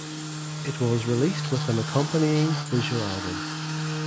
It was released with an accompanying visual album.